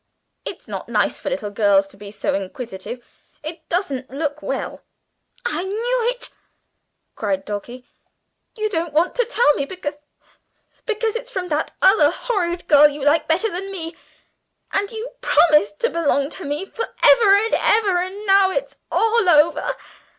"It's not nice for little girls to be so inquisitive it doesn't look well." "I knew it!" cried Dulcie; "you don't want to tell me because because it's from that other horrid girl you like better than me. And you promised to belong to me for ever and ever, and now it's all over!